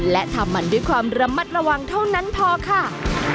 และทำมันด้วยความระมัดระวังเท่านั้นพอค่ะ